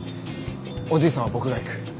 おじいさんは僕が行く。